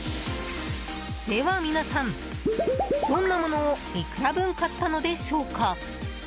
では皆さん、どんなものをいくら分買ったのでしょうか？